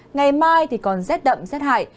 ngày mai thì còn rét đậm rét hại